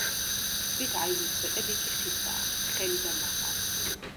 თვით აივნის სვეტები კი ხისაა, თხელი და მაღალი.